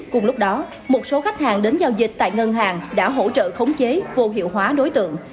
cùng lúc đó một số khách hàng đến giao dịch tại ngân hàng đã hỗ trợ khống chế vô hiệu hóa đối tượng